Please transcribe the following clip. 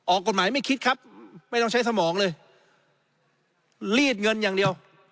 ออกกฎหมายไม่คิดครับไม่ต้องใช้สมองเลย